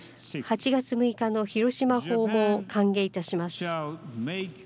８月６日の広島訪問を歓迎いたします。